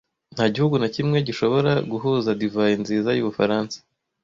Nta gihugu na kimwe gishobora guhuza divayi nziza y’Ubufaransa.